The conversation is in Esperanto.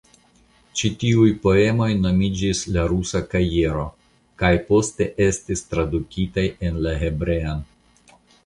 Ĉi tiuj poemoj nomiĝis "La rusa kajero" kaj poste estis tradukitaj en la hebrean.